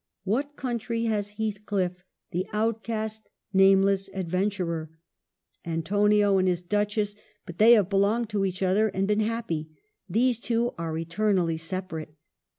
What country has Heathcliff, the outcast, name less adventurer ? Antonio and his Duchess ; 2 6o EMILY BRONTE. but they have belonged to each other and been happy ; these two are eternally separate.